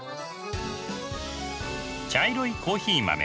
茶色いコーヒー豆。